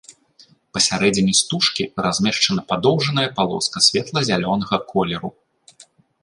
Пасярэдзіне стужкі размешчана падоўжная палоска светла-зялёнага колеру.